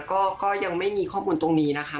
ก็ยังไม่มีข้อมูลตรงนี้นะคะ